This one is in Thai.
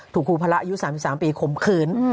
ครูพระอายุ๓๓ปีข่มขืน